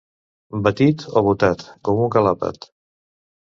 Botit o botat com un galàpet.